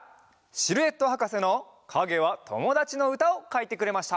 シルエットはかせの「かげはともだち」のうたをかいてくれました。